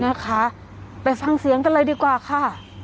นะคะไปฟังเสียงกันเลยดีกว่าค่ะ